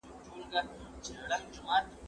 زه پرون د ښوونځي کتابونه مطالعه کوم